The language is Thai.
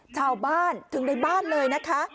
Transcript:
ชาวบ้านถึงในบ้านเลยนะคะ